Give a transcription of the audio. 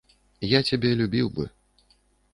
Я цябе любіў бы.